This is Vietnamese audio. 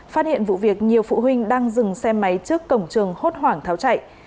phát hiện vụ việc nhiều phụ huynh đang dừng xe máy trước cổng trường hốt hoảng tháo chạy